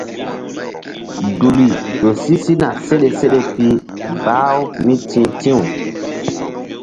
Duli ƴo si sina seɗe seɗe pi bah-u mí ti̧h ti̧w.